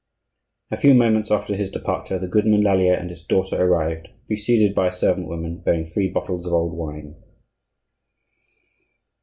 A few moments after his departure the goodman Lallier and his daughter arrived, preceded by a servant woman, bearing three bottles of old wine.